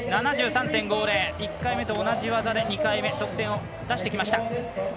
１回目と同じ技で２回目、得点を出してきました。